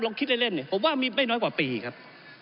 คิดเล่นเนี่ยผมว่ามีไม่น้อยกว่าปีครับ